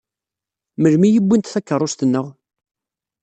Melmi i wwint takeṛṛust-nneɣ?